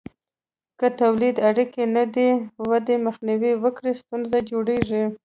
که تولیدي اړیکې د دې ودې مخنیوی وکړي، ستونزه جوړیږي.